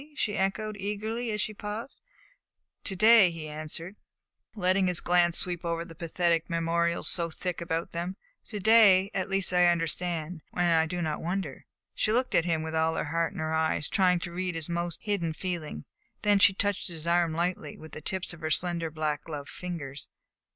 she echoed eagerly, as he paused. "To day," he answered, letting his glance sweep over the pathetic memorials so thick about them "to day at least I understand, and I do not wonder." She looked at him with all her heart in her eyes, trying to read his most hidden feeling. Then she touched his arm lightly with the tips of her slender black gloved fingers.